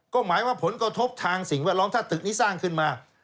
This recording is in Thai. ก็หมายว่าผลกระทบทางสิ่งแวดล้อมถ้าตึกนี้สร้างขึ้นมา